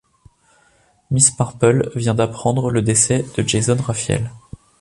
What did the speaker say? Miss Marple vient d’apprendre le décès de Jason Rafiel.